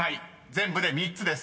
全部で３つです］